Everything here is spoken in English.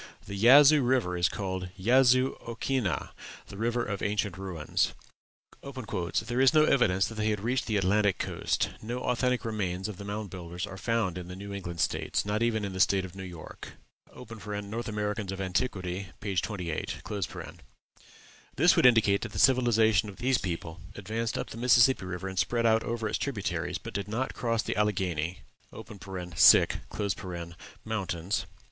The Yazoo River is called Yazoo okhinnah the River of Ancient Ruins. "There is no evidence that they had reached the Atlantic coast; no authentic remains of the Mound Builders are found in the New England States, nor even in the State of New York." ("North Americans of Antiquity," p. 28.) This would indicate that the civilization of this people advanced up the Mississippi River and spread out over its tributaries, but did not cross the Alleghany Mountains.